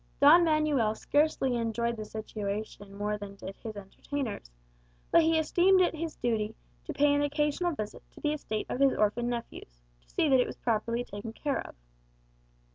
Don Manuel scarcely enjoyed the situation more than did his entertainers but he esteemed it his duty to pay an occasional visit to the estate of his orphan nephews, to see that it was properly taken care of.